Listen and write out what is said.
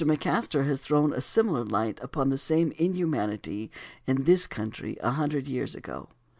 McMaster has thrown a similar light upon the same inhumanity in this country a hundred years ago.